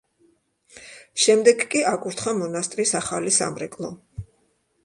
შემდეგ კი აკურთხა მონასტრის ახალი სამრეკლო.